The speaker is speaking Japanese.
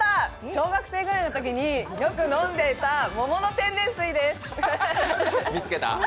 小学生ぐらいのときによく飲んでいた桃の天然水です。